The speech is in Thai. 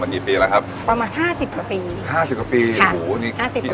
ร้านขนมจีนเจ้าดังนะครับร้านขนมจีนโก้จ้อยนะครับ